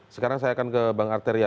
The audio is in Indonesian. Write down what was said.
sekarang saya akan ke bang arteria